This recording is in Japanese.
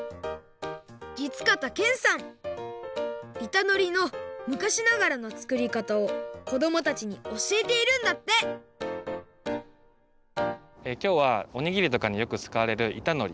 いたのりのむかしながらのつくりかたをこどもたちにおしえているんだってきょうはおにぎりとかによくつかわれるいたのり